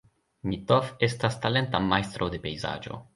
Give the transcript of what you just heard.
Mitov estas talenta majstro de pejzaĝo.